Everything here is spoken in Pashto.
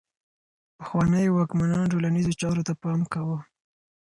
پخوانيو واکمنانو ټولنيزو چارو ته پام کاوه.